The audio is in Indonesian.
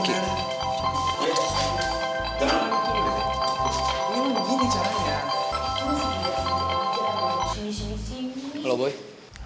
gak pernah perlahan beneran ini dari tadi gue udah bener